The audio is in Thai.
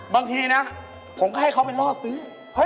บางทีนะผมก็ให้เขาให้ล่อซื้อ